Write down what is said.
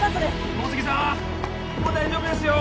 もう大丈夫ですよ